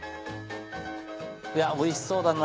いや美味しそうだな。